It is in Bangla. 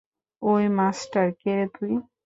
ওই মাস্টার- কে রে তুই?